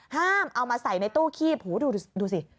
ห้ามเอามาใส่ในตู้คีบหูดูสิ